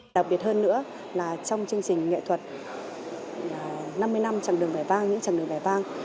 đặc biệt hơn nữa là trong chương trình nghệ thuật năm mươi năm chặng đường vẻ vang